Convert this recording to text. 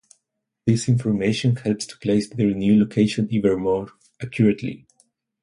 This information helps to place their new location even more accurately.